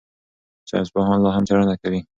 ساینسپوهان لا هم څېړنه کوي.